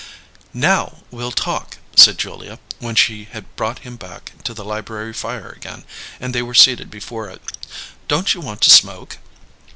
"Now we'll talk!" said Julia, when she had brought him back to the library fire again, and they were seated before it. "Don't you want to smoke?"